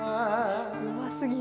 うますぎる。